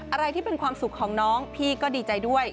อะไรที่เป็นความสุขของน้องพี่ก็ดีใจด้วย